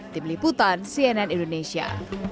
tim liputan cnn indonesia